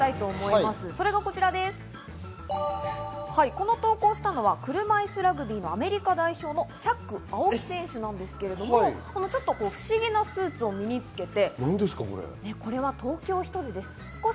この投稿をしたのは車いすラグビー、アメリカ代表のチャック・アオキ選手なんですがちょっと不思議なスーツを身につけて。